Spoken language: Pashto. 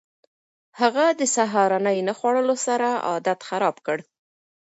هغه د سهارنۍ نه خوړلو سره عادت خراب کړ.